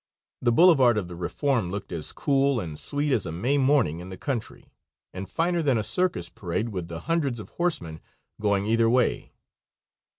The boulevard of the Reform looked as cool and sweet as a May morning in the country, and finer than a circus parade with the hundreds of horsemen going either way.